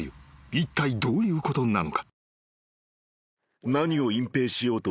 いったいどういうことなのか？］